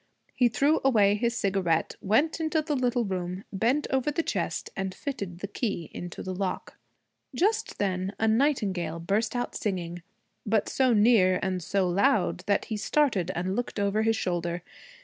He threw away his cigarette, went into the little room, bent over the chest, and fitted the key into the lock. Just then a nightingale burst out singing, but so near and so loud that he started and looked over his shoulder.